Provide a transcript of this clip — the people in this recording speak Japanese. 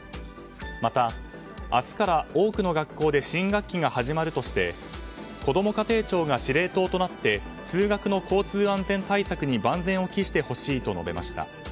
また明日から多くの学校で新学期が始まるとしてこども家庭庁が司令塔となって通学の交通安全対策に万全を期してほしいと述べました。